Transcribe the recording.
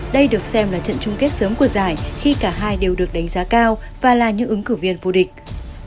đây được xem là trận chung kết sớm của giải khi cả hai đều được đánh giá cao và là những ứng cử viên vô địch